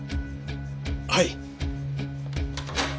はい。